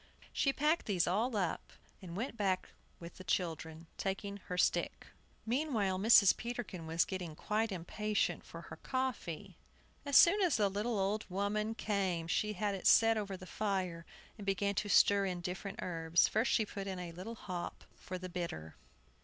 She packed these all up, and then went back with the children, taking her stick. Meanwhile Mrs. Peterkin was getting quite impatient for her coffee. As soon as the little old woman came she had it set over the fire, and began to stir in the different herbs. First she put in a little hop for the bitter.